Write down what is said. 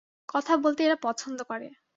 কথা বলতে এরা পছন্দ করে।